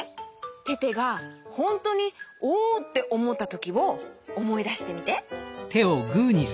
テテがホントにおっておもったときをおもいだしてみて。